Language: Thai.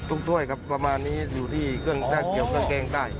ทุกถ้วยครับประมาณนี้อยู่ที่เครื่องแกงใต้